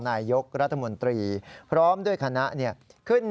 นายยกรัฐมนตรีพบกับทัพนักกีฬาที่กลับมาจากโอลิมปิก๒๐๑๖